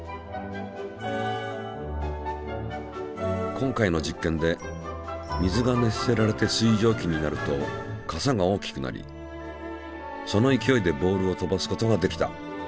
今回の実験で水が熱せられて水蒸気になるとかさが大きくなりその勢いでボールを飛ばすことができた。